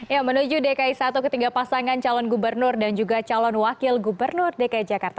ya menuju dki satu ketiga pasangan calon gubernur dan juga calon wakil gubernur dki jakarta